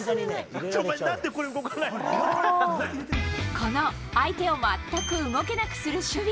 この相手を全く動けなくする守備。